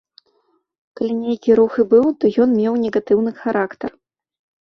Калі нейкі рух і быў, то ён меў негатыўны характар.